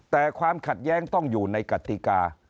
แต่ความขัดแย้งต้องอยู่ในกติกา